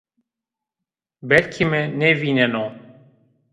Belkî mi nêvîneno